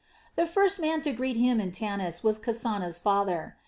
The first man to greet him in Tanis was Kasana's father.